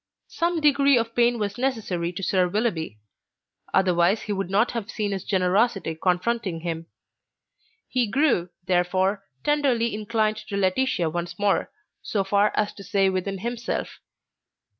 Some degree of pain was necessary to Sir Willoughby, otherwise he would not have seen his generosity confronting him. He grew, therefore, tenderly inclined to Laetitia once more, so far as to say within himself.